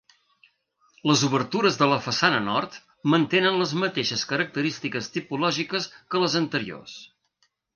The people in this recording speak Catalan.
Les obertures de la façana nord mantenen les mateixes característiques tipològiques que les anteriors.